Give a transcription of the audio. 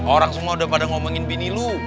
orang semua udah pada ngomongin bini lu